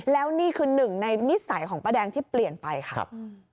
แล้วนี่คือหนึ่งในนิสัยของป้าแดงที่เปลี่ยนไปค่ะ